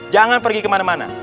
jangan pergi kemana mana